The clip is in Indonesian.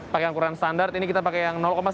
pakai angkuran standar ini kita pakai yang sembilan ya